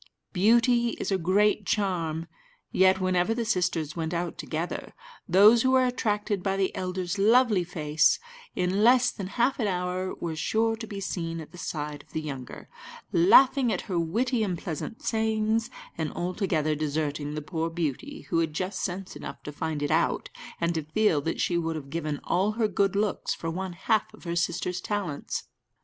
Beauty is a great charm; yet, whenever the sisters went out together, those who were attracted by the elder's lovely face, in less than half an hour were sure to be seen at the side of the younger, laughing at her witty and pleasant sayings, and altogether deserting the poor beauty, who had just sense enough to find it out, and to feel that she would have given all her good looks for one half of her sister's talents.